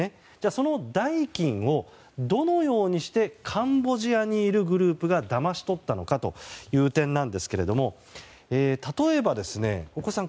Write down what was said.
その代金をどのようにしてカンボジアにいるグループがだまし取ったのかという点なんですが例えば、大越さん